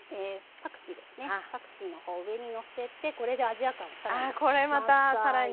パクチーのほうを上にのせてこれでアジア感をさらに。